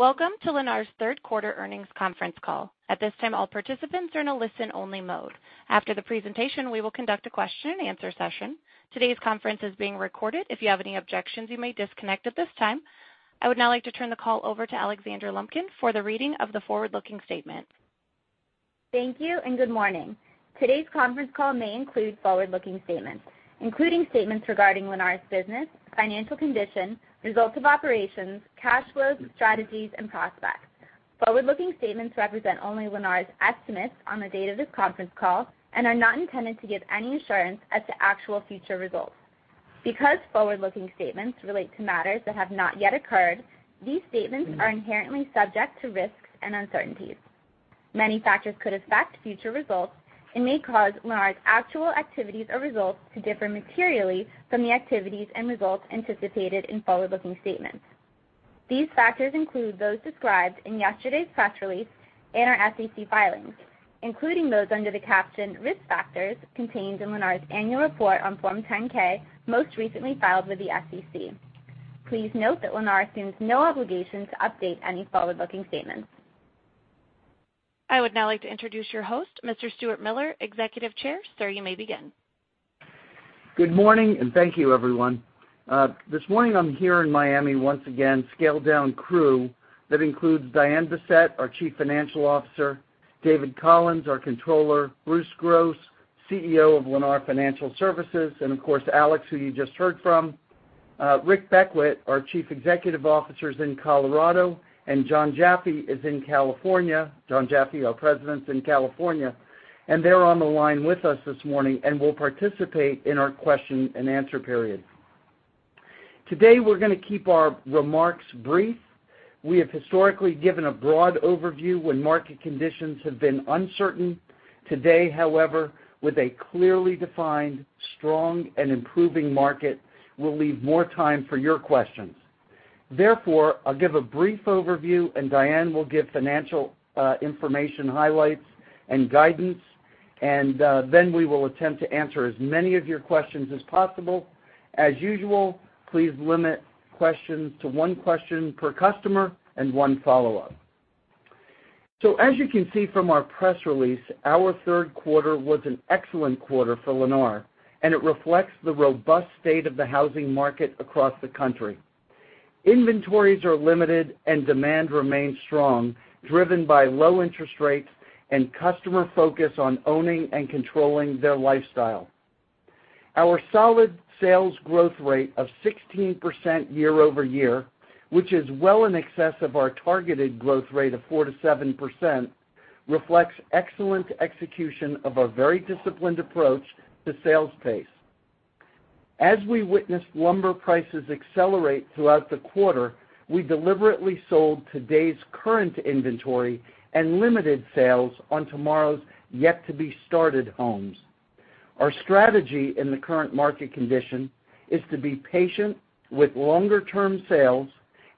Welcome to Lennar's third quarter earnings conference call. At this time, all participants are in a listen-only mode. After the presentation, we will conduct a question-and-answer session. Today's conference is being recorded. If you have any objections, you may disconnect at this time. I would now like to turn the call over to Alexandra Lumpkin for the reading of the forward-looking statement. Thank you and good morning. Today's conference call may include forward-looking statements, including statements regarding Lennar's business, financial condition, results of operations, cash flows, strategies, and prospects. Forward-looking statements represent only Lennar's estimates on the date of this conference call and are not intended to give any assurance as to actual future results. Because forward-looking statements relate to matters that have not yet occurred, these statements are inherently subject to risks and uncertainties. Many factors could affect future results and may cause Lennar's actual activities or results to differ materially from the activities and results anticipated in forward-looking statements. These factors include those described in yesterday's press release and our SEC filings, including those under the caption, "Risk Factors" contained in Lennar's annual report on Form 10-K, most recently filed with the SEC. Please note that Lennar assumes no obligation to update any forward-looking statements. I would now like to introduce your host, Mr. Stuart Miller, Executive Chair. Sir, you may begin. Good morning. Thank you, everyone. This morning, I'm here in Miami once again, scaled-down crew. That includes Diane Bessette, our Chief Financial Officer, David Collins, our Controller, Bruce Gross, CEO of Lennar Financial Services, and of course, Alex, who you just heard from. Rick Beckwitt, our Chief Executive Officer, is in Colorado, and Jon Jaffe is in California. Jon Jaffe, our President, is in California. They're on the line with us this morning and will participate in our question and answer period. Today, we're going to keep our remarks brief. We have historically given a broad overview when market conditions have been uncertain. Today, however, with a clearly defined, strong, and improving market, we'll leave more time for your questions. Therefore, I'll give a brief overview, and Diane will give financial information highlights and guidance, and then we will attempt to answer as many of your questions as possible. As usual, please limit questions to one question per customer and one follow-up. As you can see from our press release, our third quarter was an excellent quarter for Lennar, and it reflects the robust state of the housing market across the country. Inventories are limited, and demand remains strong, driven by low interest rates and customer focus on owning and controlling their lifestyle. Our solid sales growth rate of 16% year-over-year, which is well in excess of our targeted growth rate of 4%-7%, reflects excellent execution of a very disciplined approach to sales pace. As we witnessed lumber prices accelerate throughout the quarter, we deliberately sold today's current inventory and limited sales on tomorrow's yet-to-be-started homes. Our strategy in the current market condition is to be patient with longer-term sales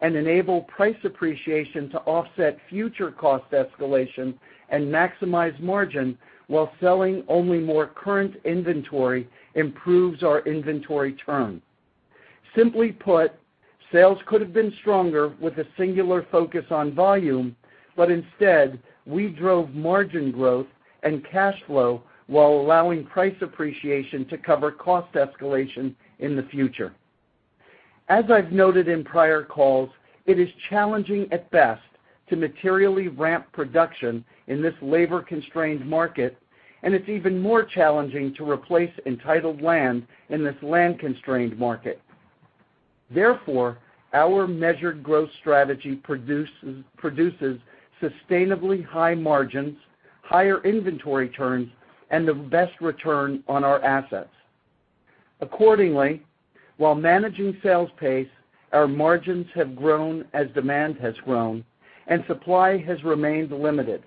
and enable price appreciation to offset future cost escalation and maximize margin while selling only more current inventory improves our inventory turn. Simply put, sales could have been stronger with a singular focus on volume, but instead, we drove margin growth and cash flow while allowing price appreciation to cover cost escalation in the future. As I've noted in prior calls, it is challenging at best to materially ramp production in this labor-constrained market, and it's even more challenging to replace entitled land in this land-constrained market. Therefore, our measured growth strategy produces sustainably high margins, higher inventory turns, and the best return on our assets. Accordingly, while managing sales pace, our margins have grown as demand has grown and supply has remained limited.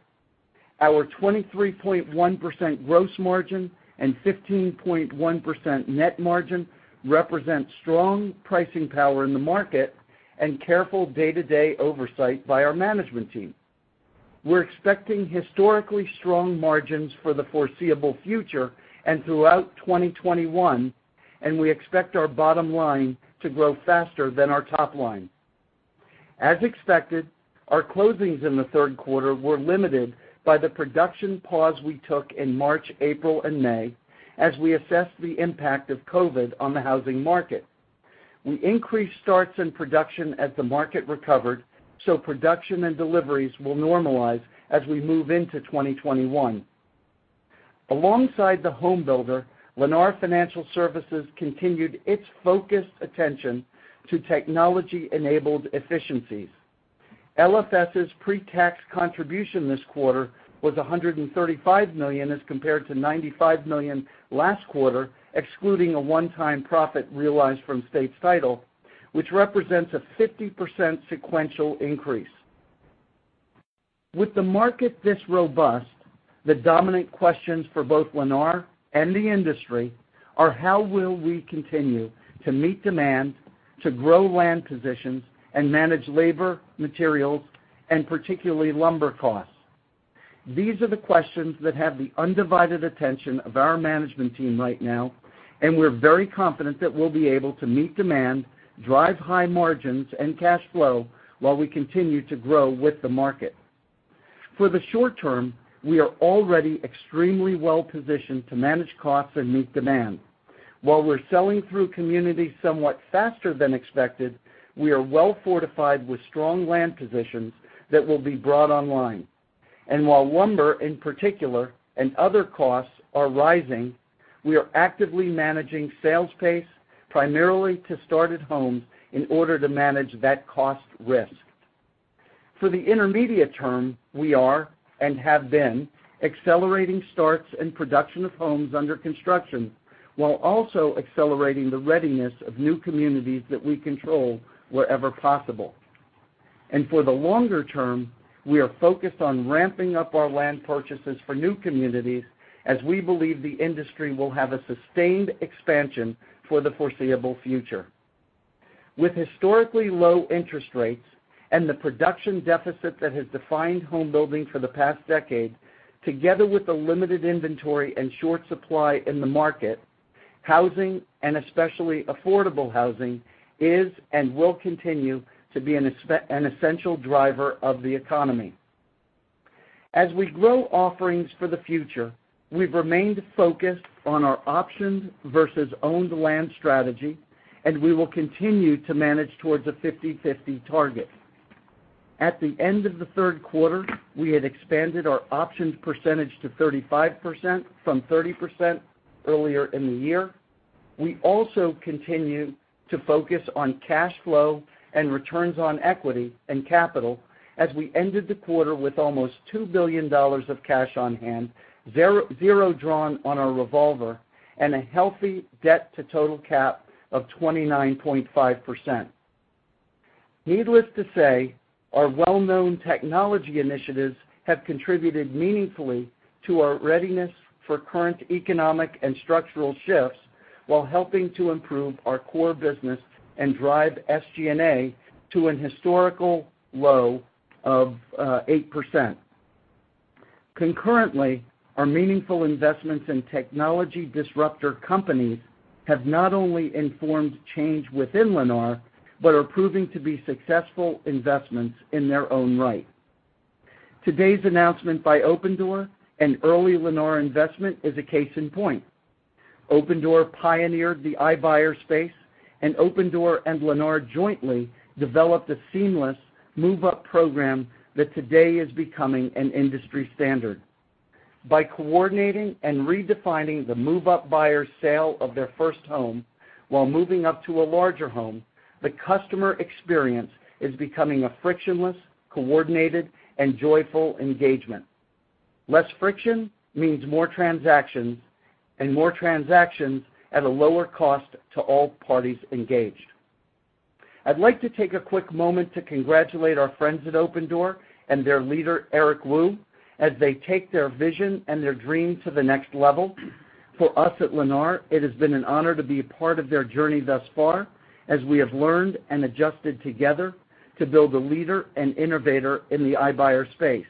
Our 23.1% gross margin and 15.1% net margin represent strong pricing power in the market and careful day-to-day oversight by our management team. We're expecting historically strong margins for the foreseeable future and throughout 2021, and we expect our bottom line to grow faster than our top line. As expected, our closings in the third quarter were limited by the production pause we took in March, April, and May as we assessed the impact of COVID on the housing market. We increased starts in production as the market recovered. Production and deliveries will normalize as we move into 2021. Alongside the home builder, Lennar Financial Services continued its focused attention to technology-enabled efficiencies. LFS's pre-tax contribution this quarter was $135 million as compared to $95 million last quarter, excluding a one-time profit realized from States Title, which represents a 50% sequential increase. With the market this robust, the dominant questions for both Lennar and the industry are how will we continue to meet demand, to grow land positions, and manage labor, materials, and particularly lumber costs? These are the questions that have the undivided attention of our management team right now, and we're very confident that we'll be able to meet demand, drive high margins and cash flow while we continue to grow with the market. For the short term, we are already extremely well-positioned to manage costs and meet demand. While we're selling through communities somewhat faster than expected, we are well-fortified with strong land positions that will be brought online. While lumber in particular, and other costs are rising, we are actively managing sales pace primarily to started homes in order to manage that cost risk. For the intermediate term, we are, and have been, accelerating starts and production of homes under construction while also accelerating the readiness of new communities that we control wherever possible. For the longer term, we are focused on ramping up our land purchases for new communities as we believe the industry will have a sustained expansion for the foreseeable future. With historically low interest rates and the production deficit that has defined home building for the past decade, together with the limited inventory and short supply in the market, housing, and especially affordable housing, is and will continue to be an essential driver of the economy. As we grow offerings for the future, we've remained focused on our options versus owned land strategy, and we will continue to manage towards a 50/50 target. At the end of third quarter, we had expanded our options percentage to 35% from 30% earlier in the year. We also continue to focus on cash flow and returns on equity and capital as we ended the quarter with almost $2 billion of cash on hand, zero drawn on our revolver, and a healthy debt to total cap of 29.5%. Needless to say, our well-known technology initiatives have contributed meaningfully to our readiness for current economic and structural shifts while helping to improve our core business and drive SG&A to an historical low of 8%. Concurrently, our meaningful investments in technology disruptor companies have not only informed change within Lennar but are proving to be successful investments in their own right. Today's announcement by Opendoor, an early Lennar investment, is a case in point. Opendoor pioneered the iBuyer space. Opendoor and Lennar jointly developed a seamless move-up program that today is becoming an industry standard. By coordinating and redefining the move-up buyer's sale of their first home while moving up to a larger home, the customer experience is becoming a frictionless, coordinated, and joyful engagement. Less friction means more transactions. More transactions at a lower cost to all parties engaged. I'd like to take a quick moment to congratulate our friends at Opendoor and their leader, Eric Wu, as they take their vision and their dream to the next level. For us at Lennar, it has been an honor to be a part of their journey thus far, as we have learned and adjusted together to build a leader and innovator in the iBuyer space.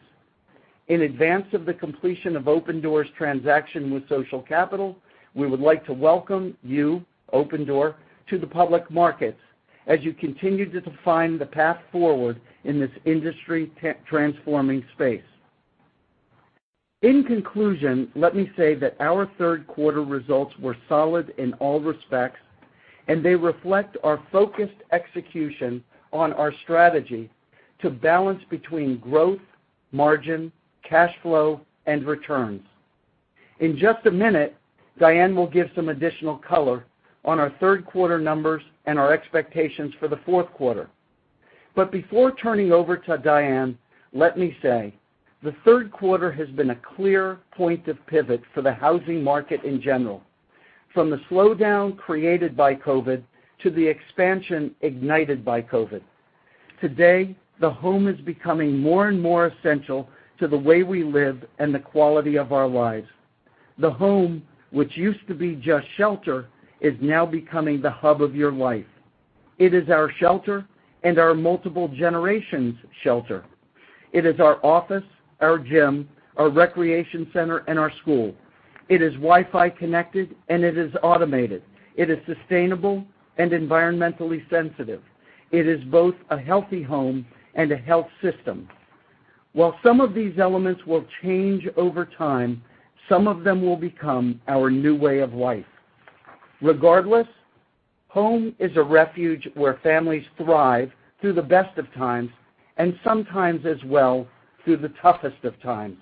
In advance of the completion of Opendoor's transaction with Social Capital, we would like to welcome you, Opendoor, to the public markets as you continue to define the path forward in this industry transforming space. In conclusion, let me say that our third quarter results were solid in all respects, and they reflect our focused execution on our strategy to balance between growth, margin, cash flow, and returns. In just a minute, Diane will give some additional color on our third quarter numbers and our expectations for the fourth quarter. Before turning over to Diane, let me say, the third quarter has been a clear point of pivot for the housing market in general, from the slowdown created by COVID to the expansion ignited by COVID. Today, the home is becoming more and more essential to the way we live and the quality of our lives. The home, which used to be just shelter, is now becoming the hub of your life. It is our shelter and our multiple generations' shelter. It is our office, our gym, our recreation center, and our school. It is Wi-Fi connected, and it is automated. It is sustainable and environmentally sensitive. It is both a healthy home and a health system. While some of these elements will change over time, some of them will become our new way of life. Regardless, home is a refuge where families thrive through the best of times, and sometimes as well, through the toughest of times.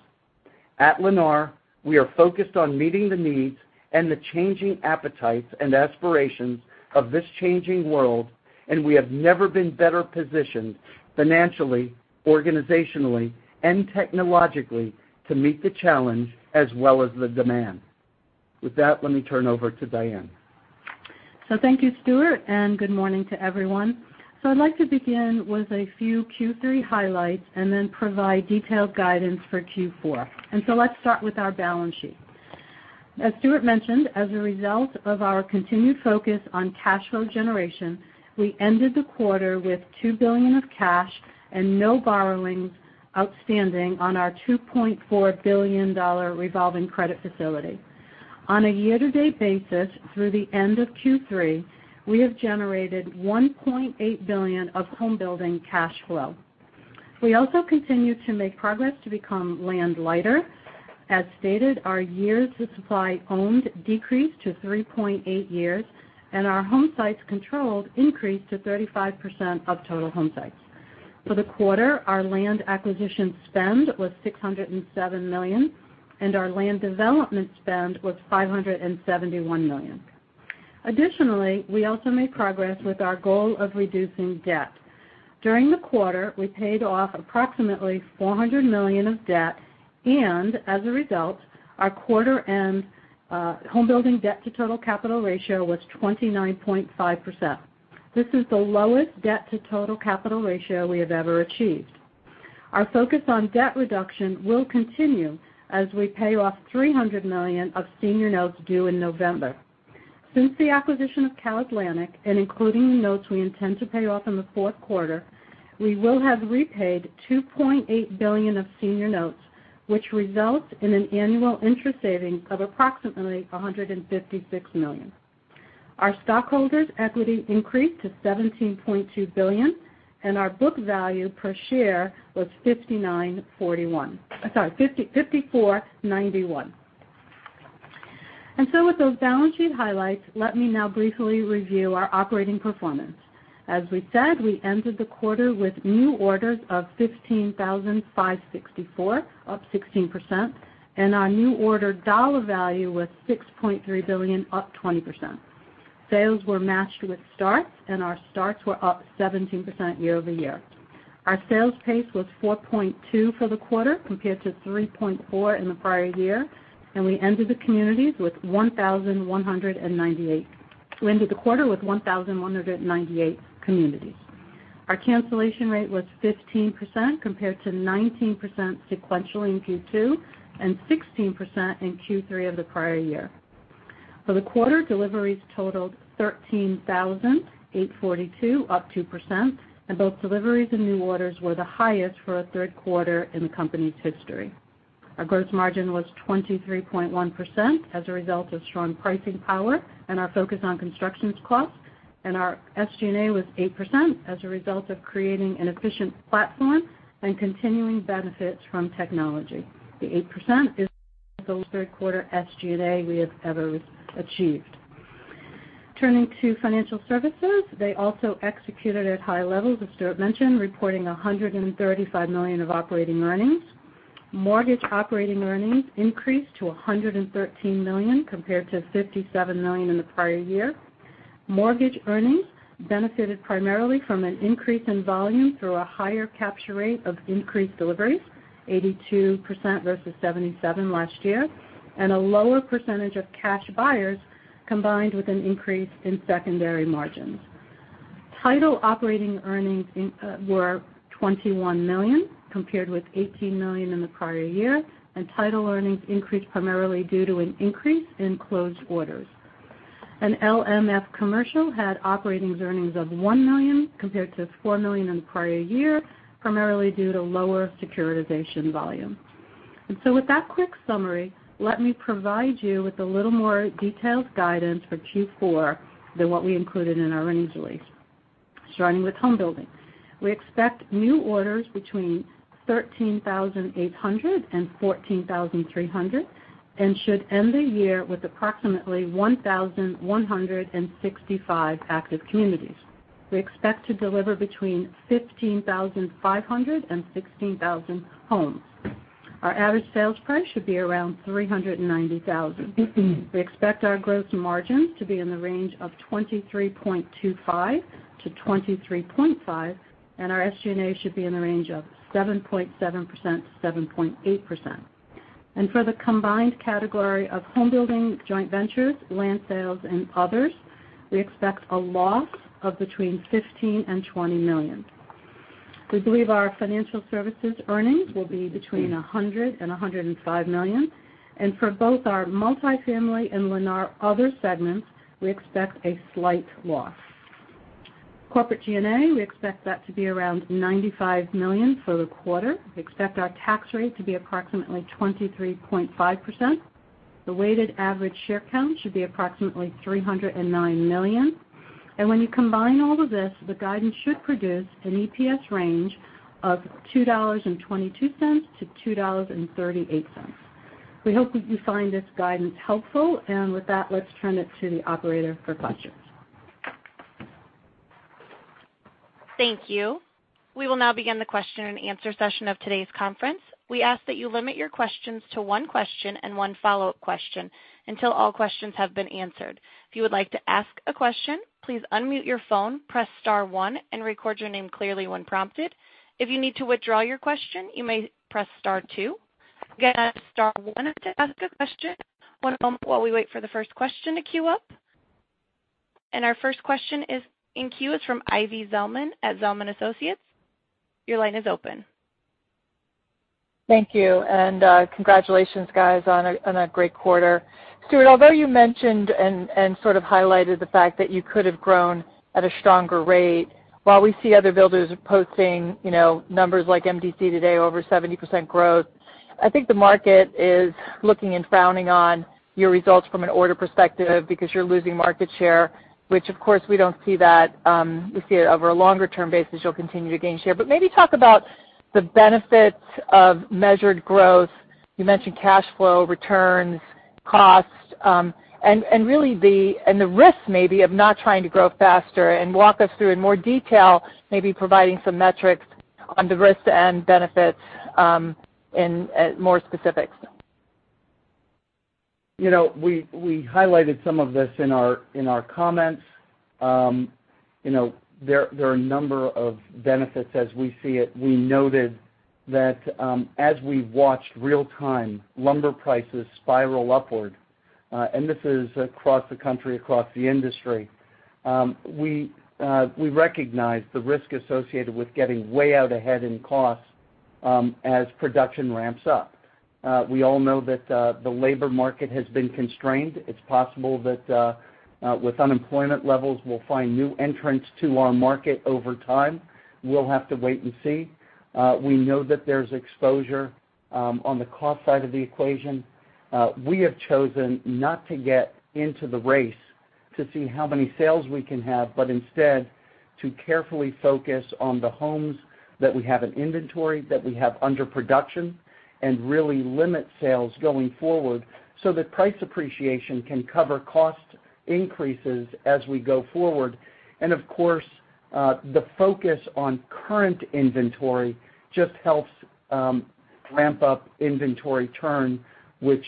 At Lennar, we are focused on meeting the needs and the changing appetites and aspirations of this changing world, and we have never been better positioned financially, organizationally, and technologically to meet the challenge as well as the demand. With that, let me turn over to Diane. Thank you, Stuart, and good morning to everyone. I'd like to begin with a few Q3 highlights and then provide detailed guidance for Q4. Let's start with our balance sheet. As Stuart mentioned, as a result of our continued focus on cash flow generation, we ended the quarter with $2 billion of cash and no borrowings outstanding on our $2.4 billion revolving credit facility. On a year-to-date basis through the end of Q3, we have generated $1.8 billion of home building cash flow. We also continue to make progress to become land lighter. As stated, our years of supply owned decreased to 3.8 years, and our home sites controlled increased to 35% of total home sites. For the quarter, our land acquisition spend was $607 million, and our land development spend was $571 million. Additionally, we also made progress with our goal of reducing debt. During the quarter, we paid off approximately $400 million of debt, and as a result, our quarter end home building debt to total capital ratio was 29.5%. This is the lowest debt to total capital ratio we have ever achieved. Our focus on debt reduction will continue as we pay off $300 million of senior notes due in November. Since the acquisition of CalAtlantic and including the notes we intend to pay off in the fourth quarter, we will have repaid $2.8 billion of senior notes, which results in an annual interest saving of approximately $156 million. Our stockholders' equity increased to $17.2 billion, and our book value per share was $54.91. With those balance sheet highlights, let me now briefly review our operating performance. As we said, we ended the quarter with new orders of 15,564, up 16%, and our new order dollar value was $6.3 billion, up 20%. Sales were matched with starts, and our starts were up 17% year-over-year. Our sales pace was 4.2 for the quarter compared to 3.4 in the prior year, and we ended the quarter with 1,198 communities. Our cancellation rate was 15%, compared to 19% sequentially in Q2, and 16% in Q3 of the prior year. For the quarter, deliveries totaled 13,842, up 2%, and both deliveries and new orders were the highest for a third quarter in the company's history. Our gross margin was 23.1% as a result of strong pricing power and our focus on construction costs, and our SG&A was 8% as a result of creating an efficient platform and continuing benefits from technology. The 8% is the lowest third quarter SG&A we have ever achieved. Turning to financial services, they also executed at high levels, as Stuart mentioned, reporting $135 million of operating earnings. Mortgage operating earnings increased to $113 million compared to $57 million in the prior year. Mortgage earnings benefited primarily from an increase in volume through a higher capture rate of increased deliveries, 82% versus 77% last year, and a lower percentage of cash buyers, combined with an increase in secondary margins. Title operating earnings were $21 million, compared with $18 million in the prior year. Title earnings increased primarily due to an increase in closed orders. LMF Commercial had operating earnings of $1 million compared to $4 million in the prior year, primarily due to lower securitization volume. With that quick summary, let me provide you with a little more detailed guidance for Q4 than what we included in our earnings release. Starting with home building. We expect new orders between 13,800 and 14,300, and should end the year with approximately 1,165 active communities. We expect to deliver between 15,500 and 16,000 homes. Our average sales price should be around $390,000. We expect our gross margins to be in the range of 23.25%-23.5%, and our SG&A should be in the range of 7.7%-7.8%. For the combined category of home building joint ventures, land sales, and others, we expect a loss of between $15 million and $20 million. We believe our financial services earnings will be between $100 million and $105 million. For both our Multifamily and Lennar Other segments, we expect a slight loss. Corporate G&A, we expect that to be around $95 million for the quarter. We expect our tax rate to be approximately 23.5%. The weighted average share count should be approximately 309 million. When you combine all of this, the guidance should produce an EPS range of $2.22-$2.38. We hope that you find this guidance helpful. With that, let's turn it to the operator for questions. Thank you. We will now begin the question and answer session of today's conference. We ask that you limit your questions to one question and one follow-up question until all questions have been answered. If you would like to ask a question, please unmute your phone, press star one, and record your name clearly when prompted. If you need to withdraw your question, you may press star two. Again, star one to ask a question. One moment while we wait for the first question to queue up. Our first question in queue is from Ivy Zelman at Zelman & Associates. Your line is open. Thank you. Congratulations, guys, on a great quarter. Stuart, although you mentioned and sort of highlighted the fact that you could have grown at a stronger rate, while we see other builders posting numbers like MDC today, over 70% growth, I think the market is looking and frowning on your results from an order perspective because you're losing market share, which of course we don't see that. We see it over a longer-term basis. You'll continue to gain share. Maybe talk about the benefits of measured growth. You mentioned cash flow, returns, costs, and the risks maybe of not trying to grow faster. Walk us through in more detail, maybe providing some metrics on the risks and benefits in more specifics. We highlighted some of this in our comments. There are a number of benefits as we see it. We noted that as we watched real-time lumber prices spiral upward, and this is across the country, across the industry, we recognized the risk associated with getting way out ahead in costs as production ramps up. We all know that the labor market has been constrained. It's possible that with unemployment levels, we'll find new entrants to our market over time. We'll have to wait and see. We know that there's exposure on the cost side of the equation. We have chosen not to get into the race to see how many sales we can have, but instead to carefully focus on the homes that we have in inventory, that we have under production, and really limit sales going forward so that price appreciation can cover cost increases as we go forward. Of course, the focus on current inventory just helps ramp up inventory turn, which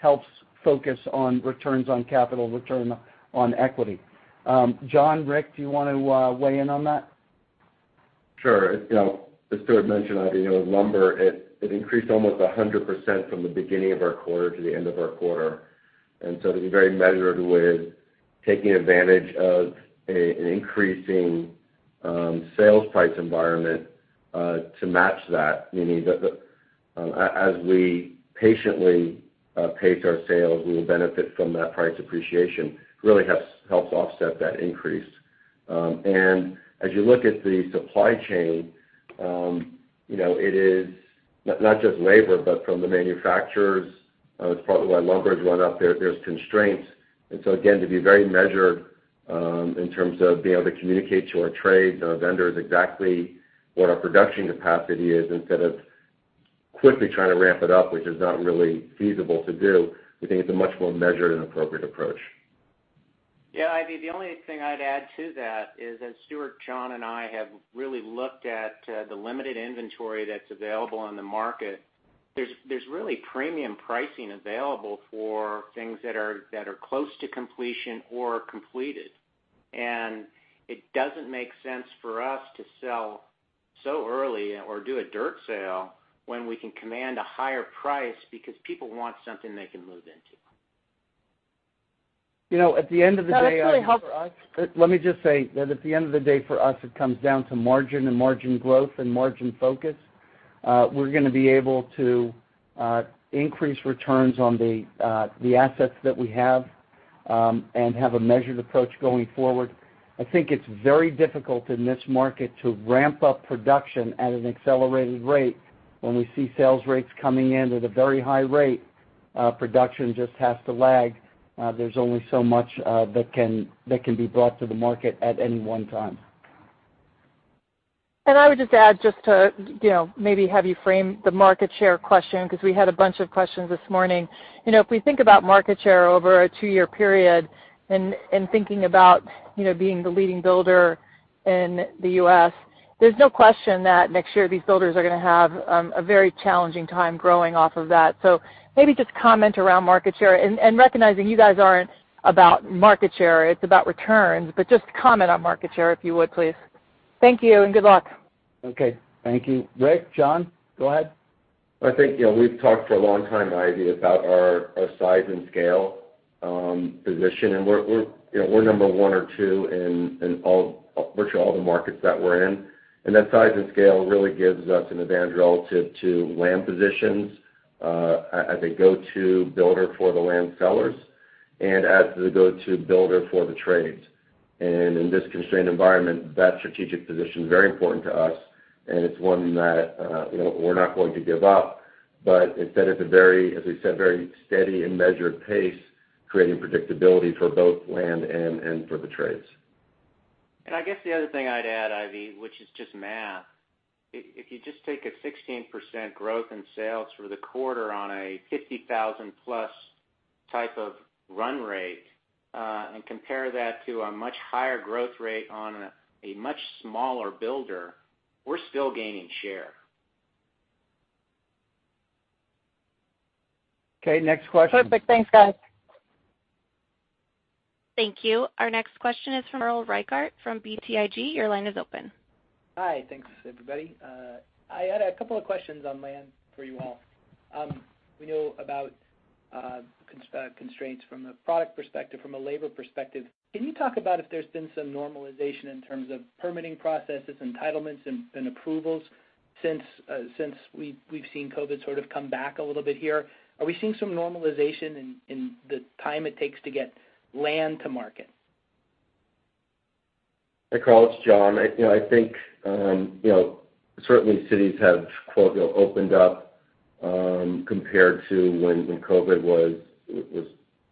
helps focus on returns on capital, return on equity. Jon, Rick, do you want to weigh in on that? Sure. As Stuart mentioned, Ivy, lumber, it increased almost 100% from the beginning of our quarter to the end of our quarter. To be very measured with taking advantage of an increasing sales price environment to match that, we need as we patiently pace our sales, we will benefit from that price appreciation. Really helps offset that increase. As you look at the supply chain, it is not just labor, but from the manufacturers, it's partly why lumber's gone up, there's constraints. Again, to be very measured in terms of being able to communicate to our trades and our vendors exactly what our production capacity is, instead of quickly trying to ramp it up, which is not really feasible to do. We think it's a much more measured and appropriate approach. Yeah, Ivy, the only thing I'd add to that is as Stuart, Jon, and I have really looked at the limited inventory that's available on the market, there's really premium pricing available for things that are close to completion or completed. It doesn't make sense for us to sell so early or do a dirt sale when we can command a higher price because people want something they can move into. At the end of the day. That's really. Let me just say that at the end of the day for us, it comes down to margin and margin growth and margin focus. We're going to be able to increase returns on the assets that we have and have a measured approach going forward. I think it's very difficult in this market to ramp up production at an accelerated rate when we see sales rates coming in at a very high rate. Production just has to lag. There's only so much that can be brought to the market at any one time. I would just add, just to maybe have you frame the market share question, because we had a bunch of questions this morning. If we think about market share over a two-year period and thinking about being the leading builder in the U.S., there's no question that next year these builders are going to have a very challenging time growing off of that. Maybe just comment around market share and recognizing you guys aren't about market share, it's about returns, but just comment on market share, if you would, please. Thank you, and good luck. Okay. Thank you. Rick, Jon, go ahead. I think we've talked for a long time, Ivy, about our size and scale position. We're number one or two in virtually all the markets that we're in. That size and scale really gives us an advantage relative to land positions as a go-to builder for the land sellers and as the go-to builder for the trades. In this constrained environment, that strategic position is very important to us, and it's one that we're not going to give up. Instead, it's a very, as we said, very steady and measured pace, creating predictability for both land and for the trades. I guess the other thing I'd add, Ivy, which is just math. If you just take a 16% growth in sales for the quarter on a 50,000+ type of run rate and compare that to a much higher growth rate on a much smaller builder, we're still gaining share. Okay, next question. Perfect. Thanks, guys. Thank you. Our next question is from Carl Reichardt from BTIG. Your line is open. Hi. Thanks, everybody. I had a couple of questions on land for you all. We know about constraints from the product perspective, from a labor perspective. Can you talk about if there's been some normalization in terms of permitting processes, entitlements, and approvals since we've seen COVID sort of come back a little bit here? Are we seeing some normalization in the time it takes to get land to market? Hey, Carl, it's Jon. I think, certainly cities have, quote, "Opened up," compared to when COVID was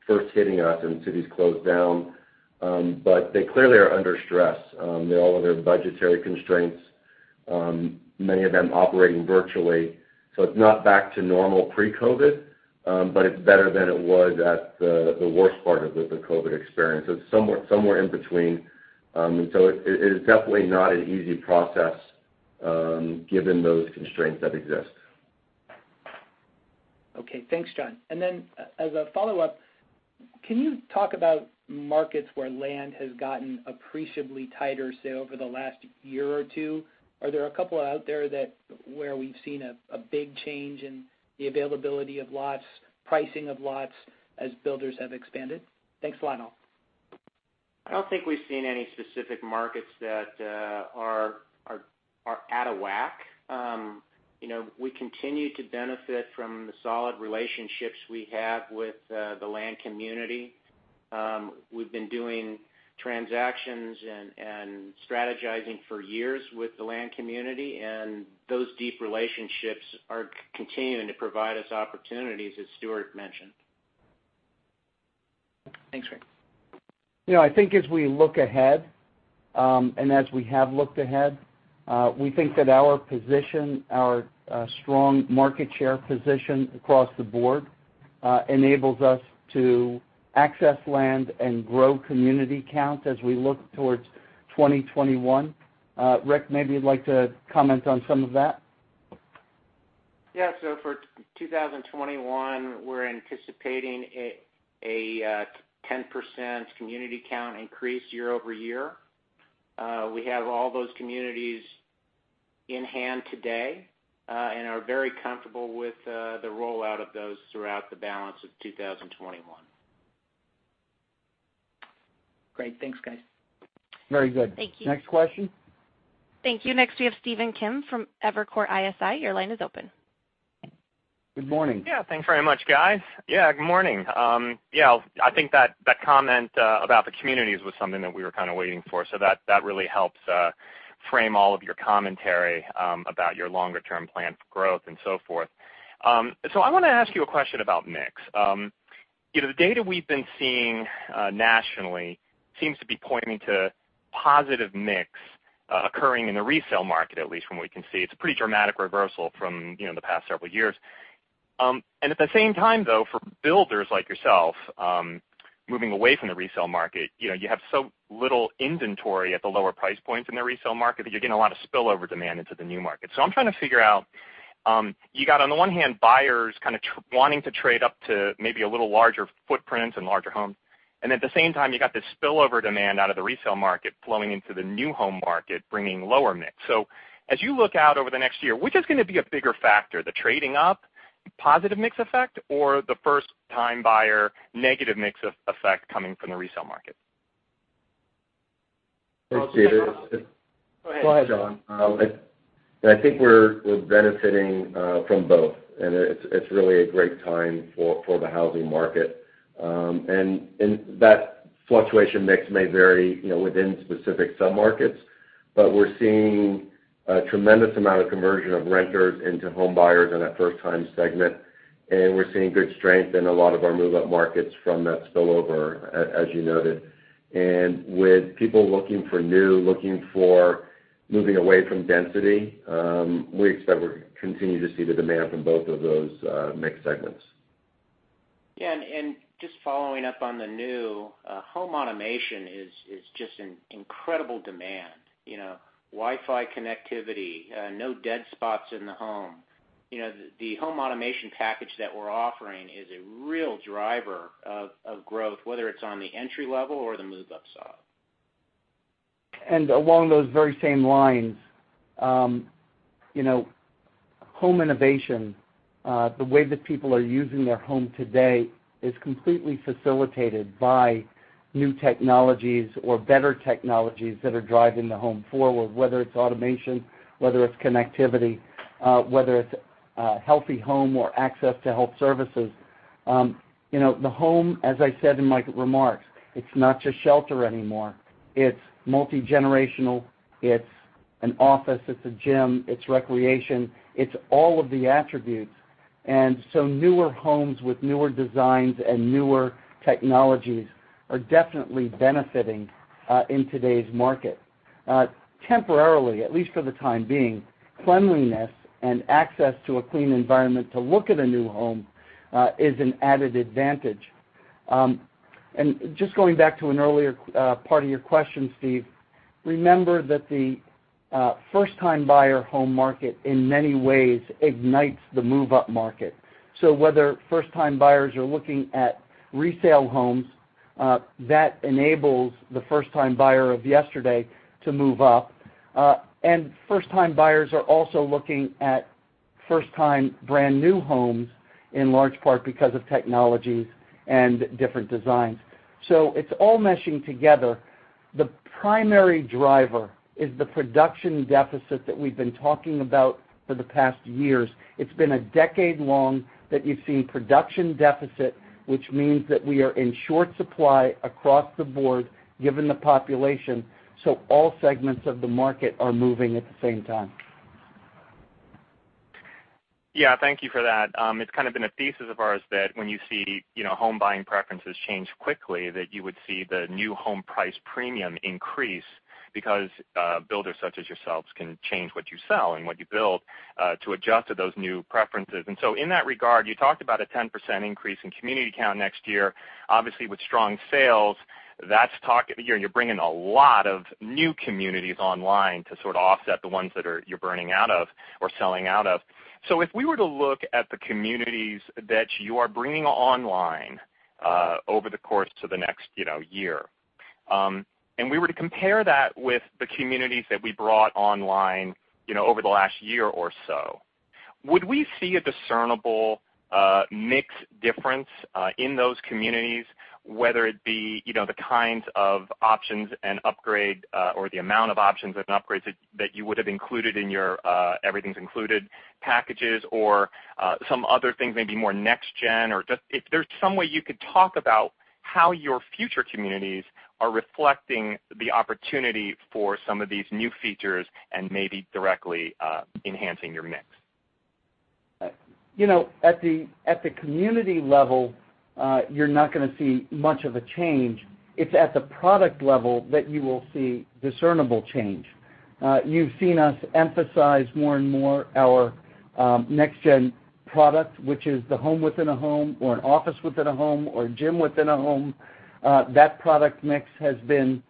first hitting us and cities closed down. They clearly are under stress. They all have their budgetary constraints, many of them operating virtually. It's not back to normal pre-COVID, but it's better than it was at the worst part of the COVID experience. It's somewhere in between. It is definitely not an easy process given those constraints that exist. Okay, thanks, Jon. As a follow-up, can you talk about markets where land has gotten appreciably tighter, say, over the last year or two? Are there a couple out there where we've seen a big change in the availability of lots, pricing of lots, as builders have expanded? Thanks, Jon. I don't think we've seen any specific markets that are out of whack. We continue to benefit from the solid relationships we have with the land community. We've been doing transactions and strategizing for years with the land community, and those deep relationships are continuing to provide us opportunities, as Stuart mentioned. Thanks, Rick. I think as we look ahead, as we have looked ahead, we think that our position, our strong market share position across the board, enables us to access land and grow community count as we look towards 2021. Rick, maybe you'd like to comment on some of that. For 2021, we're anticipating a 10% community count increase year-over-year. We have all those communities in hand today and are very comfortable with the rollout of those throughout the balance of 2021. Great. Thanks, guys. Very good. Thank you. Next question? Thank you. Next, we have Stephen Kim from Evercore ISI. Your line is open. Good morning. Thanks very much, guys. Good morning. I think that comment about the communities was something that we were kind of waiting for. That really helps frame all of your commentary about your longer-term plan for growth and so forth. I want to ask you a question about mix. The data we've been seeing nationally seems to be pointing to positive mix occurring in the resale market, at least from what we can see. It's a pretty dramatic reversal from the past several years. At the same time, though, for builders like yourself, moving away from the resale market, you have so little inventory at the lower price points in the resale market that you're getting a lot of spillover demand into the new market. I'm trying to figure out, you got, on the one hand, buyers kind of wanting to trade up to maybe a little larger footprints and larger homes, and at the same time, you got this spillover demand out of the resale market flowing into the new home market, bringing lower mix. As you look out over the next year, which is going to be a bigger factor, the trading up positive mix effect or the first-time buyer negative mix effect coming from the resale market? Thanks, Stephen. Go ahead. Go ahead, Jon. I think we're benefiting from both, and it's really a great time for the housing market. That fluctuation mix may vary within specific sub-markets, but we're seeing a tremendous amount of conversion of renters into home buyers in that first-time segment, and we're seeing good strength in a lot of our move-up markets from that spillover, as you noted. With people looking for new, looking for moving away from density, we expect we'll continue to see the demand from both of those mix segments. Yeah, just following up on home automation is just in incredible demand. Wi-Fi connectivity, no dead spots in the home. The home automation package that we're offering is a real driver of growth, whether it's on the entry level or the move-up side. Along those very same lines, home innovation, the way that people are using their home today, is completely facilitated by new technologies or better technologies that are driving the home forward, whether it's automation, whether it's connectivity, whether it's healthy home or access to health services. The home, as I said in my remarks, it's not just shelter anymore. It's multigenerational, it's an office, it's a gym, it's recreation. It's all of the attributes. Newer homes with newer designs and newer technologies are definitely benefiting in today's market. Temporarily, at least for the time being, cleanliness and access to a clean environment to look at a new home is an added advantage. Just going back to an earlier part of your question, Steve, remember that the first-time buyer home market, in many ways, ignites the move-up market. Whether first-time buyers are looking at resale homes. That enables the first-time buyer of yesterday to move up. First-time buyers are also looking at first-time brand-new homes, in large part because of technologies and different designs. It's all meshing together. The primary driver is the production deficit that we've been talking about for the past years. It's been a decade long that you've seen production deficit, which means that we are in short supply across the board given the population, so all segments of the market are moving at the same time. Yeah, thank you for that. It's kind of been a thesis of ours that when you see home buying preferences change quickly, that you would see the new home price premium increase because builders such as yourselves can change what you sell and what you build to adjust to those new preferences. In that regard, you talked about a 10% increase in community count next year. Obviously, with strong sales, you're bringing a lot of new communities online to sort of offset the ones that you're burning out of or selling out of. If we were to look at the communities that you are bringing online over the course of the next year, and we were to compare that with the communities that we brought online over the last year or so, would we see a discernible mix difference in those communities, whether it be the kinds of options and upgrade or the amount of options and upgrades that you would have included in your Everything's Included packages or some other things, maybe more Next Gen®? If there's some way you could talk about how your future communities are reflecting the opportunity for some of these new features and maybe directly enhancing your mix. At the community level, you're not going to see much of a change. It's at the product level that you will see discernible change. You've seen us emphasize more and more our Next Gen® product, which is the home within a home, or an office within a home, or a gym within a home. That product mix has been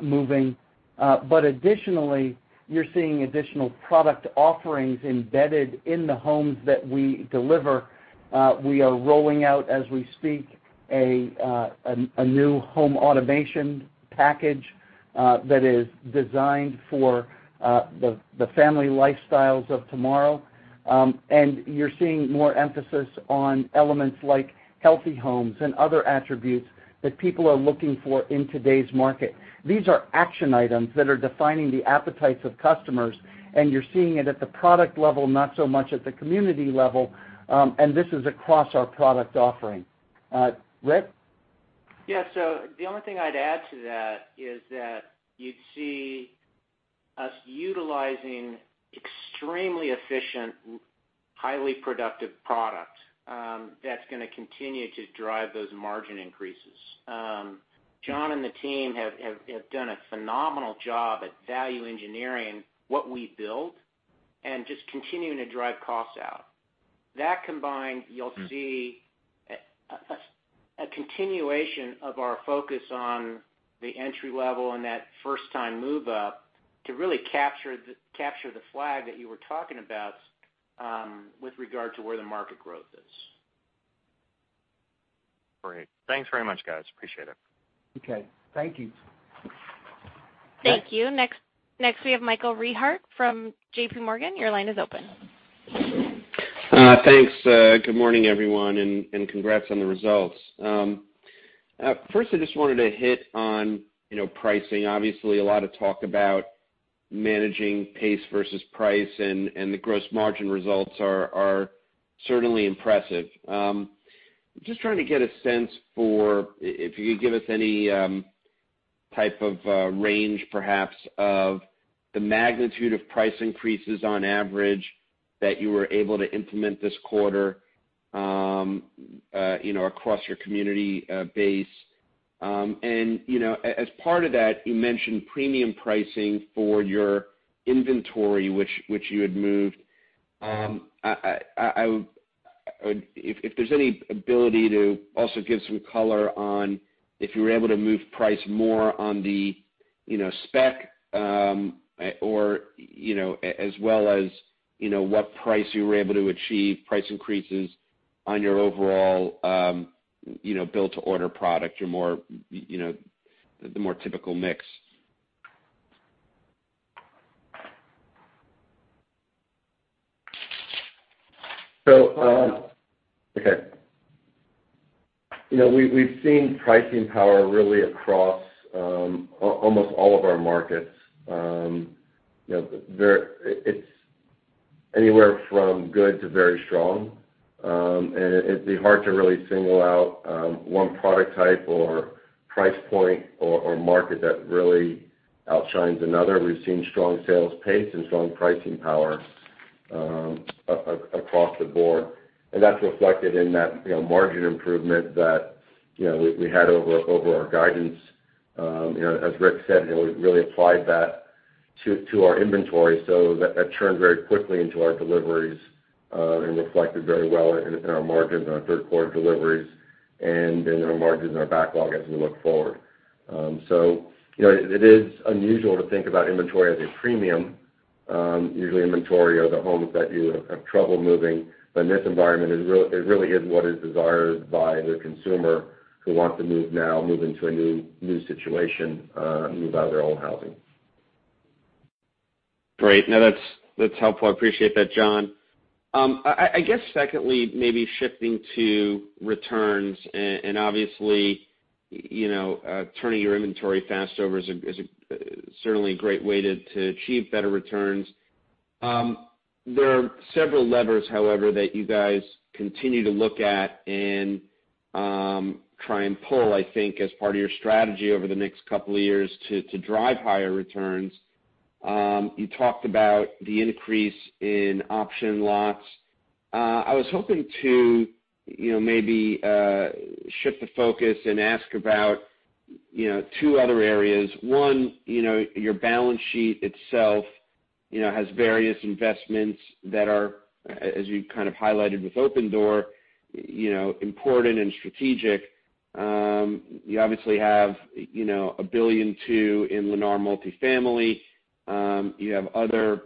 moving. Additionally, you're seeing additional product offerings embedded in the homes that we deliver. We are rolling out, as we speak, a new home automation package that is designed for the family lifestyles of tomorrow. You're seeing more emphasis on elements like healthy homes and other attributes that people are looking for in today's market. These are action items that are defining the appetites of customers, and you're seeing it at the product level, not so much at the community level, and this is across our product offering. Rick? The only thing I'd add to that is that you'd see us utilizing extremely efficient, highly productive product that's going to continue to drive those margin increases. Jon and the team have done a phenomenal job at value engineering what we build and just continuing to drive costs out. That combined, you'll see a continuation of our focus on the entry level and that first-time move up to really capture the flag that you were talking about with regard to where the market growth is. Great. Thanks very much, guys. Appreciate it. Okay. Thank you. Thank you. Next, we have Michael Rehaut from JPMorgan. Your line is open. Thanks. Good morning, everyone, congrats on the results. First, I just wanted to hit on pricing. Obviously, a lot of talk about managing pace versus price, the gross margin results are certainly impressive. Just trying to get a sense for if you could give us any type of range, perhaps, of the magnitude of price increases on average that you were able to implement this quarter across your community base. As part of that, you mentioned premium pricing for your inventory, which you had moved. If there's any ability to also give some color on if you were able to move price more on the spec as well as what price you were able to achieve, price increases on your overall build-to-order product, the more typical mix. Okay. We've seen pricing power really across almost all of our markets. It's anywhere from good to very strong, and it'd be hard to really single out one product type or price point or market that really outshines another. We've seen strong sales pace and strong pricing power across the board, and that's reflected in that margin improvement that we had over our guidance. As Rick said, we really applied that to our inventory, that turned very quickly into our deliveries and reflected very well in our margins on our third quarter deliveries and in our margins in our backlog as we look forward. It is unusual to think about inventory as a premium Usually inventory are the homes that you have trouble moving, but in this environment, it really is what is desired by the consumer who wants to move now, move into a new situation, move out of their own housing. Great. No, that's helpful. I appreciate that, Jon. I guess secondly, maybe shifting to returns, obviously, turning your inventory fast over is certainly a great way to achieve better returns. There are several levers, however, that you guys continue to look at and try and pull, I think, as part of your strategy over the next couple of years to drive higher returns. You talked about the increase in option lots. I was hoping to maybe shift the focus and ask about two other areas. One, your balance sheet itself has various investments that are, as you kind of highlighted with Opendoor, important and strategic. You obviously have $1.2 billion in Lennar Multifamily. You have other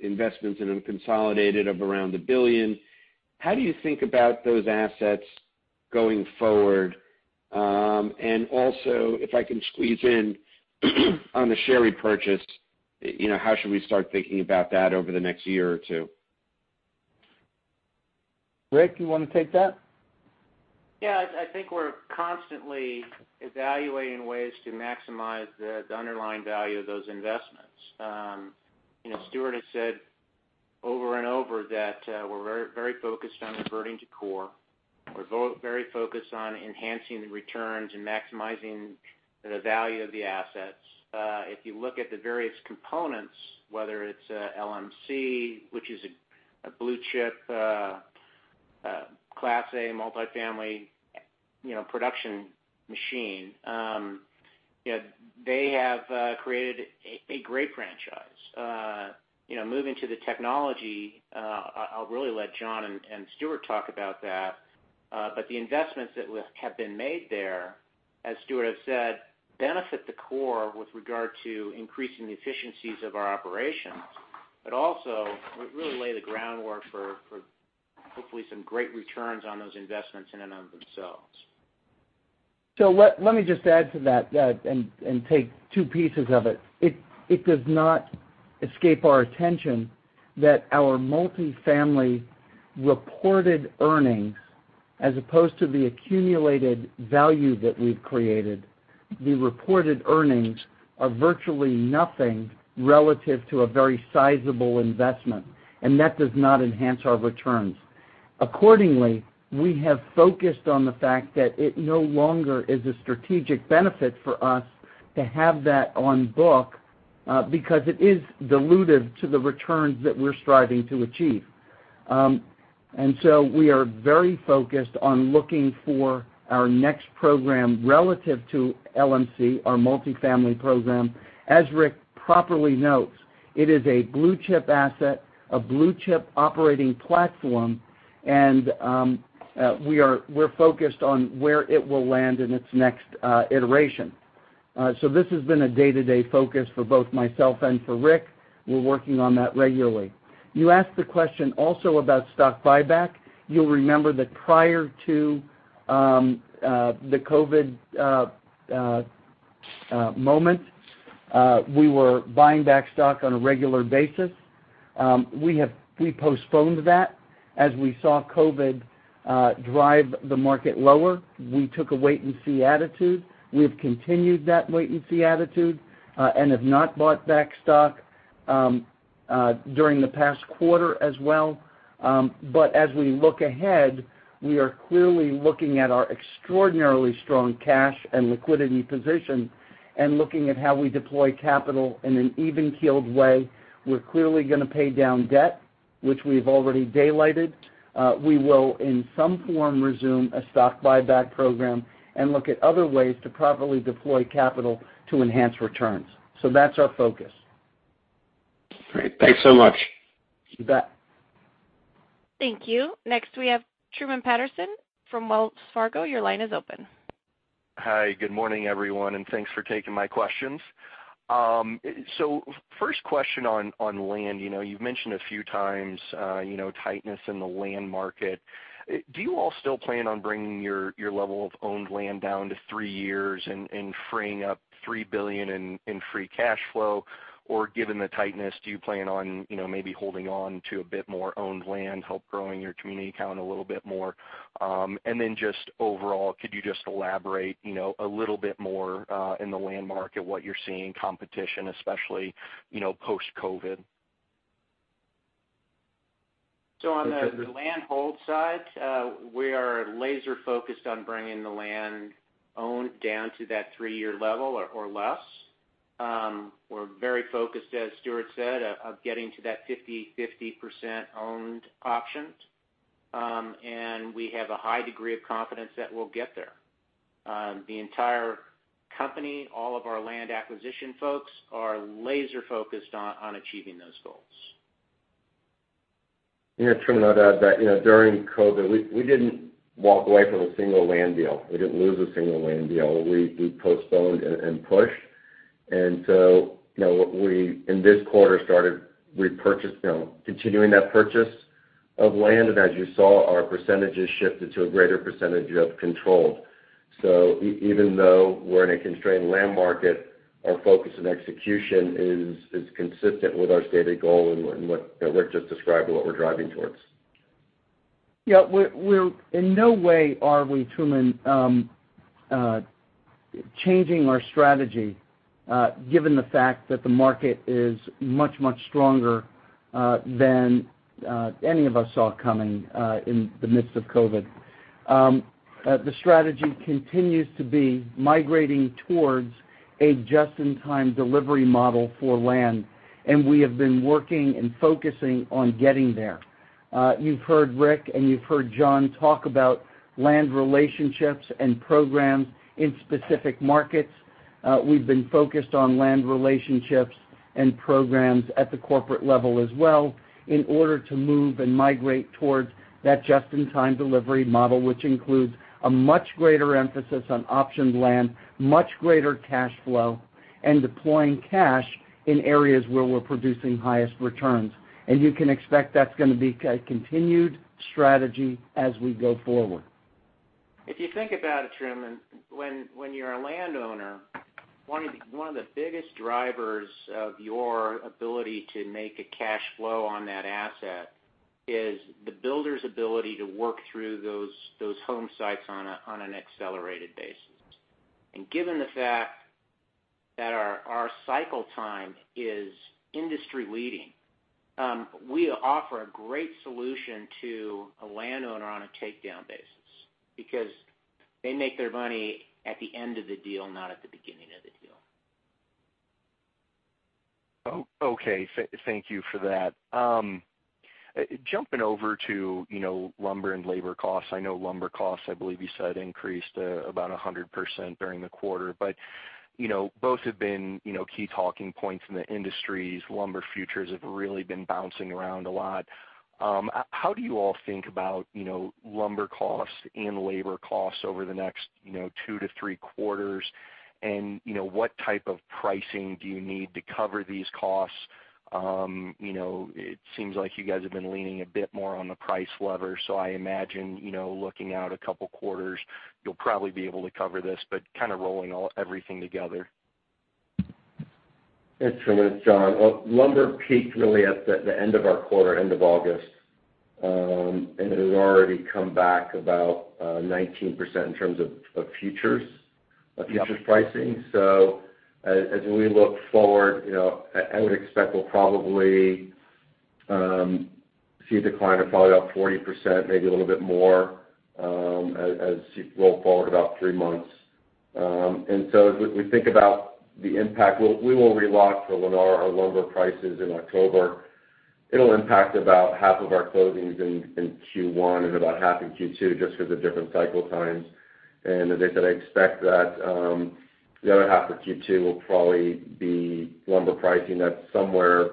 investments in consolidated of around $1 billion. How do you think about those assets going forward? Also, if I can squeeze in on the share repurchase, how should we start thinking about that over the next year or two? Rick, you want to take that? Yeah. I think we're constantly evaluating ways to maximize the underlying value of those investments. Stuart has said over and over that we're very focused on converting to core. We're very focused on enhancing the returns and maximizing the value of the assets. If you look at the various components, whether it's LMC, which is a blue-chip, class A multifamily production machine, they have created a great franchise. Moving to the technology, I'll really let Jon and Stuart talk about that. The investments that have been made there, as Stuart has said, benefit the core with regard to increasing the efficiencies of our operations, but also really lay the groundwork for hopefully some great returns on those investments in and of themselves. Let me just add to that and take two pieces of it. It does not escape our attention that our Multifamily reported earnings, as opposed to the accumulated value that we've created, the reported earnings are virtually nothing relative to a very sizable investment, and that does not enhance our returns. Accordingly, we have focused on the fact that it no longer is a strategic benefit for us to have that on book, because it is dilutive to the returns that we're striving to achieve. We are very focused on looking for our next program relative to LMC, our Multifamily program. As Rick properly notes, it is a blue-chip asset, a blue-chip operating platform, and we're focused on where it will land in its next iteration. This has been a day-to-day focus for both myself and for Rick. We're working on that regularly. You asked the question also about stock buyback. You'll remember that prior to the COVID moment, we were buying back stock on a regular basis. We postponed that as we saw COVID drive the market lower. We took a wait and see attitude. We have continued that wait and see attitude, and have not bought back stock during the past quarter as well. As we look ahead, we are clearly looking at our extraordinarily strong cash and liquidity position, and looking at how we deploy capital in an even-keeled way. We're clearly going to pay down debt, which we've already daylighted. We will, in some form, resume a stock buyback program and look at other ways to properly deploy capital to enhance returns. That's our focus. Great. Thanks so much. You bet. Thank you. Next we have Truman Patterson from Wells Fargo. Your line is open. Hi, good morning, everyone. Thanks for taking my questions. First question on land. You've mentioned a few times tightness in the land market. Do you all still plan on bringing your level of owned land down to three years and freeing up $3 billion in free cash flow? Given the tightness, do you plan on maybe holding on to a bit more owned land, help growing your community count a little bit more? Just overall, could you just elaborate a little bit more in the land market what you're seeing, competition, especially post-COVID? On the land hold side, we are laser focused on bringing the land owned down to that three-year level or less. We're very focused, as Stuart said, of getting to that 50/50% owned options. We have a high degree of confidence that we'll get there. The entire company, all of our land acquisition folks are laser focused on achieving those numbers. Yeah, Truman, I'd add that during COVID, we didn't walk away from a single land deal. We didn't lose a single land deal. We postponed and pushed. In this quarter started continuing that purchase of land, and as you saw, our percentages shifted to a greater percentage of controlled. So even though we're in a constrained land market, our focus and execution is consistent with our stated goal and what Rick just described and what we're driving towards. Yeah, in no way are we, Truman, changing our strategy given the fact that the market is much, much stronger than any of us saw coming in the midst of COVID. The strategy continues to be migrating towards a just-in-time delivery model for land, and we have been working and focusing on getting there. You've heard Rick and you've heard Jon talk about land relationships and programs in specific markets. We've been focused on land relationships and programs at the corporate level as well in order to move and migrate towards that just-in-time delivery model, which includes a much greater emphasis on optioned land, much greater cash flow, and deploying cash in areas where we're producing highest returns. You can expect that's going to be a continued strategy as we go forward. If you think about it, Truman, when you're a landowner, one of the biggest drivers of your ability to make a cash flow on that asset is the builder's ability to work through those home sites on an accelerated basis. Given the fact that our cycle time is industry-leading, we offer a great solution to a landowner on a takedown basis because they make their money at the end of the deal, not at the beginning of the deal. Okay. Thank you for that. Jumping over to lumber and labor costs. I know lumber costs, I believe you said, increased about 100% during the quarter. Both have been key talking points in the industries. Lumber futures have really been bouncing around a lot. How do you all think about lumber costs and labor costs over the next two to three quarters? What type of pricing do you need to cover these costs? It seems like you guys have been leaning a bit more on the price lever, so I imagine looking out a couple of quarters, you'll probably be able to cover this, but kind of rolling everything together. Hey, Truman, it's Jon. Lumber peaked really at the end of our quarter, end of August, and it has already come back about 19% in terms of futures pricing. As we look forward, I would expect we'll probably see a decline of probably about 40%, maybe a little bit more as you roll forward about three months. As we think about the impact, we will relock for Lennar our lumber prices in October. It'll impact about half of our closings in Q1 and about half in Q2 just because of different cycle times. As I said, I expect that the other half of Q2 will probably be lumber pricing at somewhere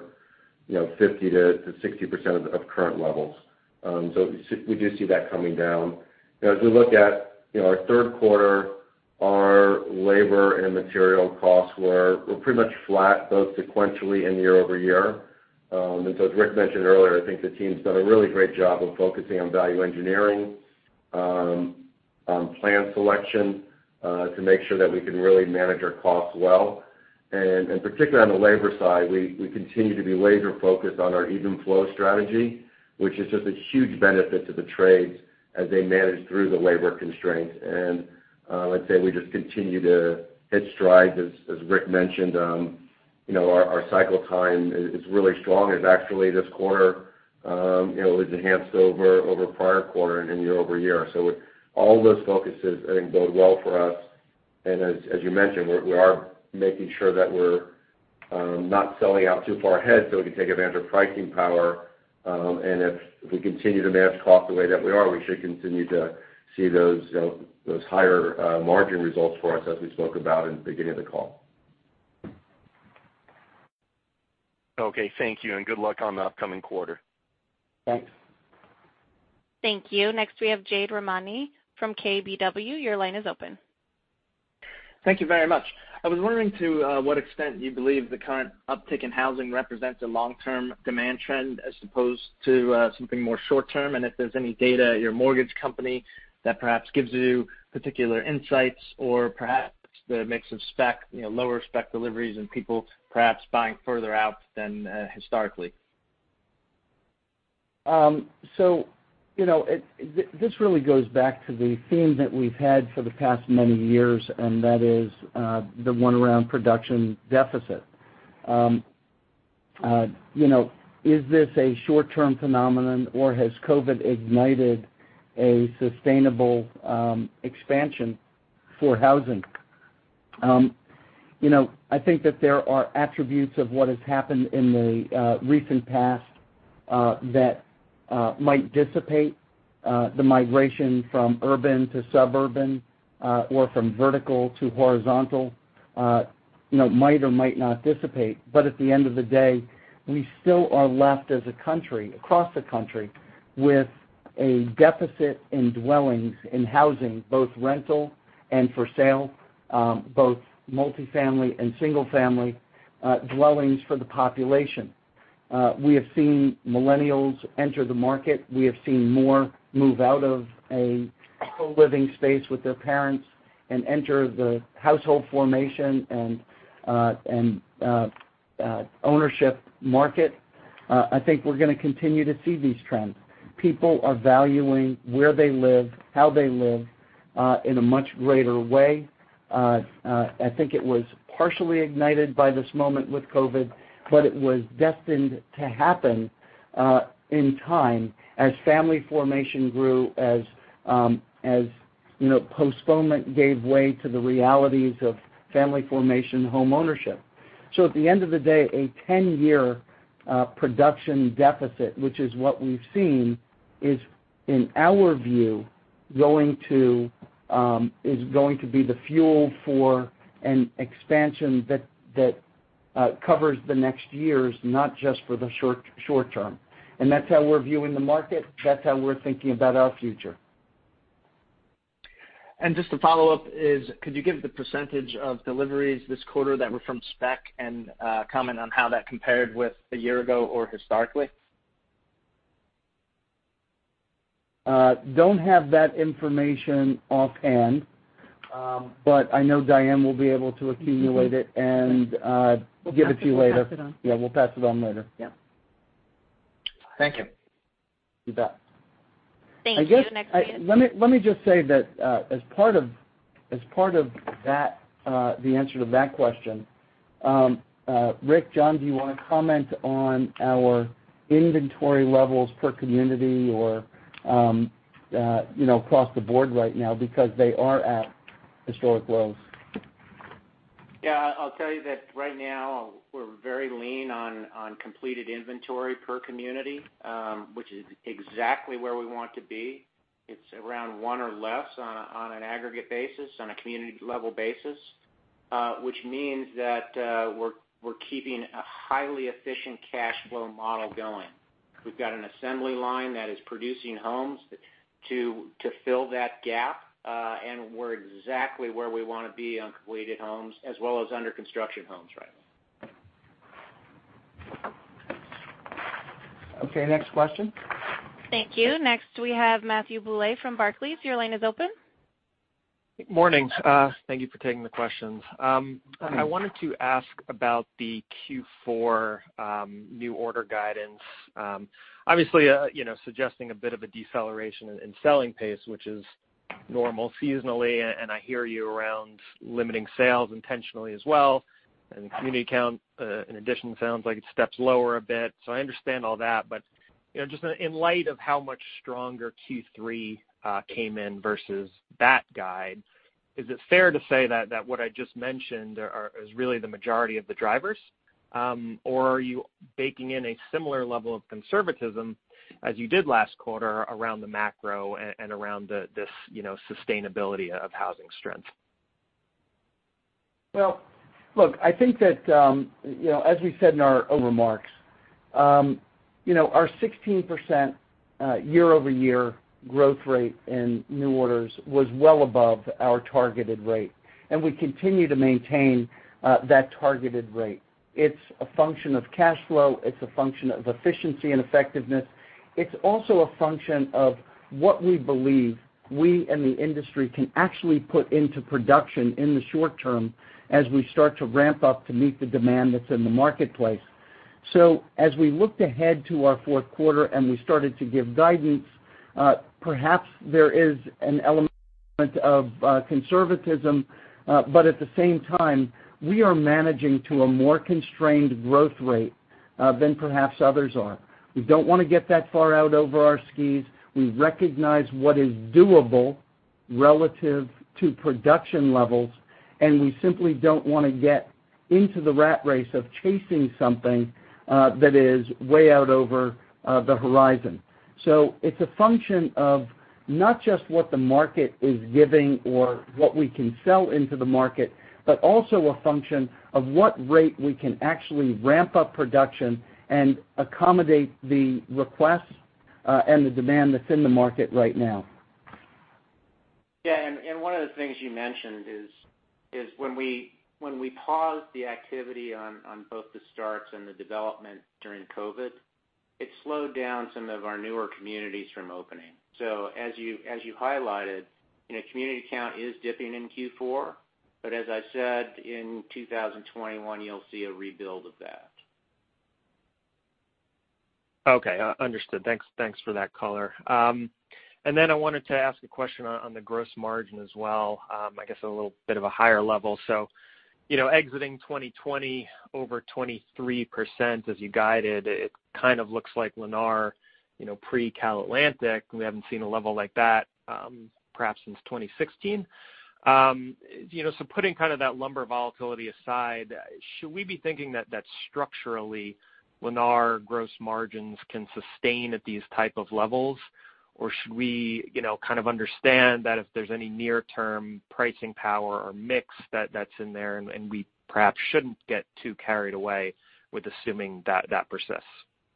50%-60% of current levels. We do see that coming down. As we look at our third quarter, our labor and material costs were pretty much flat, both sequentially and year-over-year. As Rick mentioned earlier, I think the team's done a really great job of focusing on value engineering, on plan selection to make sure that we can really manage our costs well. Particularly on the labor side, we continue to be laser-focused on our Even Flow strategy, which is just a huge benefit to the trades as they manage through the labor constraints. I'd say we just continue to hit strides, as Rick mentioned. Our cycle time is really strong. It actually this quarter was enhanced over prior quarter and year-over-year. All those focuses I think bode well for us. As you mentioned, we are making sure that we're not selling out too far ahead so we can take advantage of pricing power. If we continue to manage costs the way that we are, we should continue to see those higher margin results for us as we spoke about in the beginning of the call. Okay, thank you, and good luck on the upcoming quarter. Thanks. Thank you. Next we have Jade Rahmani from KBW. Your line is open. Thank you very much. I was wondering to what extent you believe the current uptick in housing represents a long-term demand trend as opposed to something more short-term, and if there's any data at your mortgage company that perhaps gives you particular insights or perhaps the mix of lower spec deliveries and people perhaps buying further out than historically? This really goes back to the theme that we've had for the past many years, and that is the one around production deficit. Is this a short-term phenomenon, or has COVID ignited a sustainable expansion for housing? I think that there are attributes of what has happened in the recent past that might dissipate. The migration from urban to suburban, or from vertical to horizontal, might or might not dissipate. At the end of the day, we still are left as a country, across the country, with a deficit in dwellings, in housing, both rental and for sale, both multi-family and single-family dwellings for the population. We have seen millennials enter the market. We have seen more move out of a co-living space with their parents and enter the household formation and ownership market. I think we're going to continue to see these trends. People are valuing where they live, how they live, in a much greater way. I think it was partially ignited by this moment with COVID, but it was destined to happen in time as family formation grew, as postponement gave way to the realities of family formation homeownership. At the end of the day, a 10-year production deficit, which is what we've seen, is, in our view, going to be the fuel for an expansion that covers the next years, not just for the short term. That's how we're viewing the market. That's how we're thinking about our future. Just to follow up is, could you give the percentage of deliveries this quarter that were from spec, and comment on how that compared with a year ago or historically? Don't have that information offhand. I know Diane will be able to accumulate it and give it to you later. We'll pass it on. Yeah, we'll pass it on later. Yeah. Thank you. You bet. Thank you. The next question. Let me just say that as part of the answer to that question, Rick, Jon, do you want to comment on our inventory levels per community or across the board right now? Because they are at historic lows. Yeah, I'll tell you that right now, we're very lean on completed inventory per community, which is exactly where we want to be. It's around one or less on an aggregate basis, on a community-level basis, which means that we're keeping a highly efficient cash flow model going. We've got an assembly line that is producing homes to fill that gap, and we're exactly where we want to be on completed homes as well as under construction homes right now. Okay. Next question. Thank you. Next, we have Matthew Bouley from Barclays. Your line is open. Morning. Thank you for taking the questions. I wanted to ask about the Q4 new order guidance. Obviously, suggesting a bit of a deceleration in selling pace, which is normal seasonally, and I hear you around limiting sales intentionally as well, and community count, in addition, sounds like it steps lower a bit. I understand all that, but just in light of how much stronger Q3 came in versus that guide, is it fair to say that what I just mentioned is really the majority of the drivers? Are you baking in a similar level of conservatism as you did last quarter around the macro and around this sustainability of housing strength? Well, look, I think that, as we said in our remarks, our 16% year-over-year growth rate in new orders was well above our targeted rate, and we continue to maintain that targeted rate. It's a function of cash flow. It's a function of efficiency and effectiveness. It's also a function of what we believe we and the industry can actually put into production in the short term as we start to ramp up to meet the demand that's in the marketplace. As we looked ahead to our fourth quarter and we started to give guidance, perhaps there is an element of conservatism. At the same time, we are managing to a more constrained growth rate than perhaps others are. We don't want to get that far out over our skis. We recognize what is doable relative to production levels, and we simply don't want to get into the rat race of chasing something that is way out over the horizon. It's a function of not just what the market is giving or what we can sell into the market, but also a function of what rate we can actually ramp up production and accommodate the requests and the demand that's in the market right now. One of the things you mentioned is when we paused the activity on both the starts and the development during COVID, it slowed down some of our newer communities from opening. As you highlighted, community count is dipping in Q4, as I said, in 2021, you'll see a rebuild of that. Okay. Understood. Thanks for that color. I wanted to ask a question on the gross margin as well. I guess on a little bit of a higher level. Exiting 2020 over 23% as you guided, it kind of looks like Lennar pre CalAtlantic. We haven't seen a level like that perhaps since 2016. Putting kind of that lumber volatility aside, should we be thinking that structurally Lennar gross margins can sustain at these types of levels? Should we understand that if there's any near-term pricing power or mix that's in there, and we perhaps shouldn't get too carried away with assuming that persists?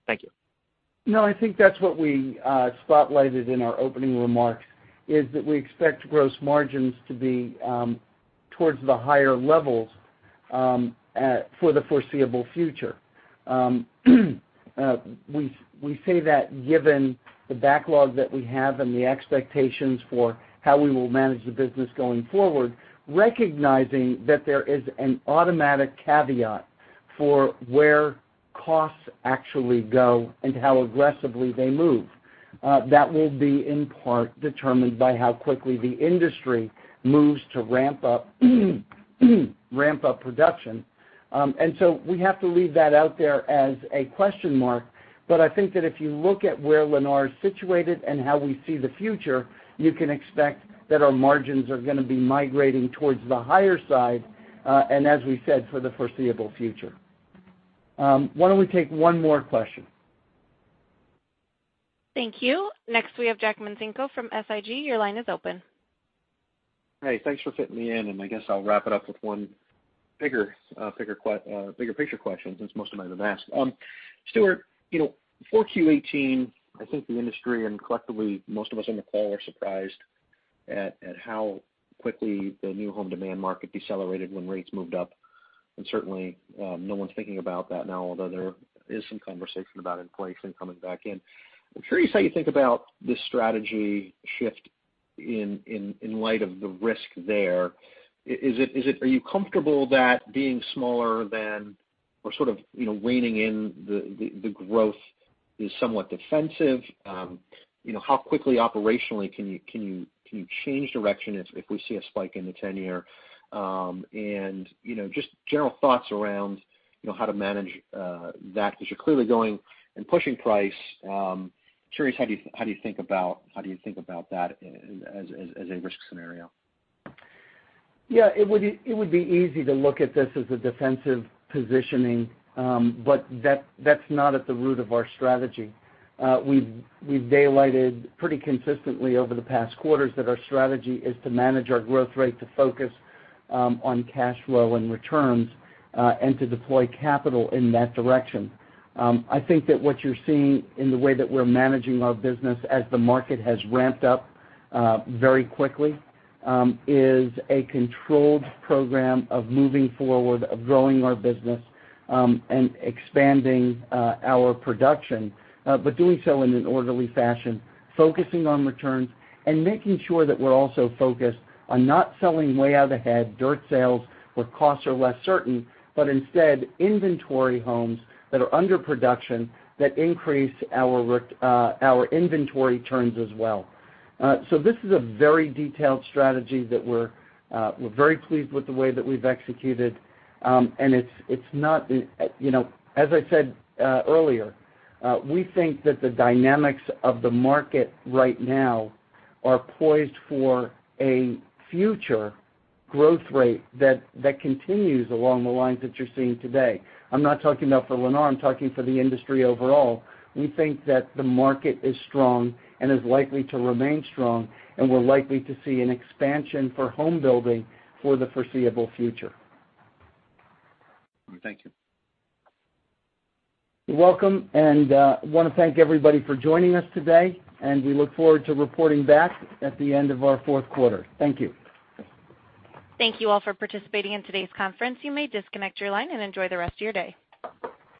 Thank you. I think that's what we spotlighted in our opening remarks, is that we expect gross margins to be towards the higher levels for the foreseeable future. We say that given the backlog that we have and the expectations for how we will manage the business going forward, recognizing that there is an automatic caveat for where costs actually go and how aggressively they move. That will be in part determined by how quickly the industry moves to ramp up production. We have to leave that out there as a question mark, but I think that if you look at where Lennar is situated and how we see the future, you can expect that our margins are going to be migrating towards the higher side, and as we said, for the foreseeable future. Why don't we take one more question? Thank you. Next, we have Jack Micenko from SIG, your line is open. Thanks for fitting me in. I guess I'll wrap it up with one bigger picture question, since most of mine have been asked. Stuart, for 4Q 2018, I think the industry and collectively most of us on the call are surprised at how quickly the new home demand market decelerated when rates moved up. Certainly, no one's thinking about that now, although there is some conversation about inflation coming back in. I'm curious how you think about this strategy shift in light of the risk there. Are you comfortable that being smaller than or sort of reining in the growth is somewhat defensive? How quickly operationally can you change direction if we see a spike in the 10-year? Just general thoughts around how to manage that, because you're clearly going and pushing price. Curious how do you think about that as a risk scenario? Yeah, it would be easy to look at this as a defensive positioning. That's not at the root of our strategy. We've daylighted pretty consistently over the past quarters that our strategy is to manage our growth rate to focus on cash flow and returns. To deploy capital in that direction. I think that what you're seeing in the way that we're managing our business as the market has ramped up very quickly, is a controlled program of moving forward, of growing our business, and expanding our production. Doing so in an orderly fashion, focusing on returns and making sure that we're also focused on not selling way out ahead dirt sales where costs are less certain, but instead inventory homes that are under production that increase our inventory turns as well. This is a very detailed strategy that we're very pleased with the way that we've executed. As I said earlier, we think that the dynamics of the market right now are poised for a future growth rate that continues along the lines that you're seeing today. I'm not talking about for Lennar, I'm talking for the industry overall. We think that the market is strong and is likely to remain strong, and we're likely to see an expansion for home building for the foreseeable future. Thank you. You're welcome. We want to thank everybody for joining us today. We look forward to reporting back at the end of our fourth quarter. Thank you. Thank you all for participating in today's conference. You may disconnect your line and enjoy the rest of your day.